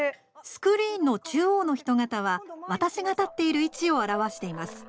スクリーンの中央の人型は私が立っている位置を表しています。